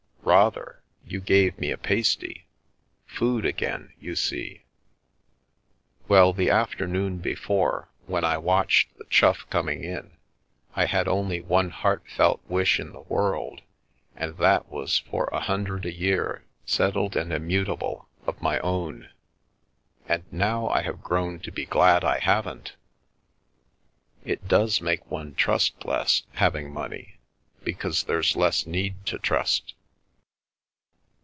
" Rather. You gave me a pasty. Food again, you see !"" Well, the afternoon before, when I watched the Chough coming in, I had only one heartfelt wish in the world, and that was for a hundred a year, settled and immutable, of my own. And now I have grown to be glad I haven't. It does make one trust less, having money, because there's less need to trust."